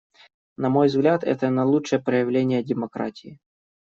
На мой взгляд, это наилучшее проявление демократии.